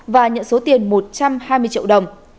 và nhận số tiền một trăm hai mươi đồng